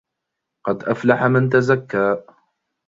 قَد أَفلَحَ مَن تَزَكّى